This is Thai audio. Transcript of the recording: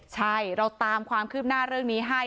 ใช่เราตามความคืบหน้าเรื่องนี้ให้